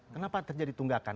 kenapa terjadi tunggakan